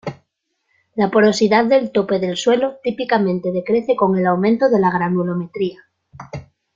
La porosidad del tope de suelo típicamente decrece con el aumento de la granulometría.